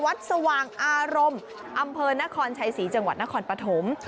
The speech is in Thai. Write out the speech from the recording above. สว่างอารมณ์อำเภอนครชัยศรีจังหวัดนครปฐม